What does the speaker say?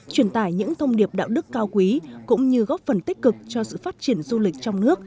truyền tải những thông điệp đạo đức cao quý cũng như góp phần tích cực cho sự phát triển du lịch trong nước